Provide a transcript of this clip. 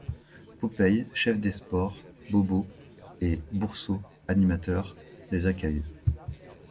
Popeye, chef des sports, Bobo et Bourseault, animateurs, les accueillent.